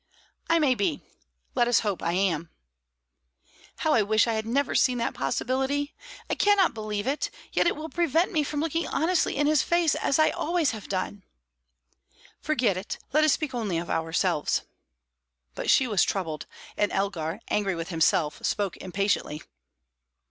"I may be. Let us hope I am." "How I wish I had never seen that possibility! I cannot believe it; yet it will prevent me from looking honestly in his face, as I always have done." "Forget it. Let us speak only of ourselves." But she was troubled, and Elgar, angry with himself, spoke impatiently.